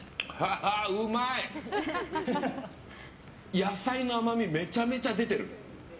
野菜の甘みめちゃめちゃ出てる。